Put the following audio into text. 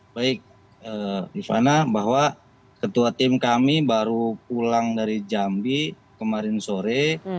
baik rifana bahwa ketua tim kami baru pulang dari jambi kemarin sore